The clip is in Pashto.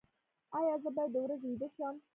ایا زه باید د ورځې ویده شم؟